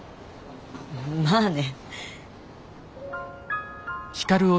まあね。